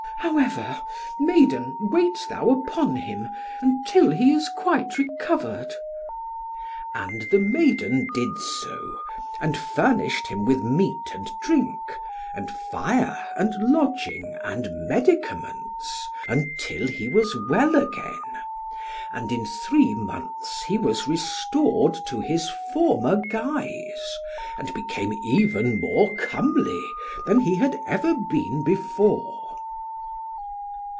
However, maiden, wait thou upon him, until he is quite recovered." And the maiden did so, and furnished him with meat and drink, and fire, and lodging, and medicaments, until he was well again. And in three months he was restored to his former guise, and became even more comely, than he had ever been before.